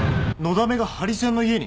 だめがハリセンの家に！？